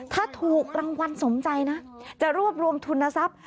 ถ้าถูกรางวัลสมใจนะจะรวบรวมทุนทรัพย์